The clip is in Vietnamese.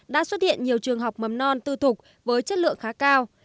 đã xuất hiện nhiều trường học mầm non tư thục với chất lượng khá cao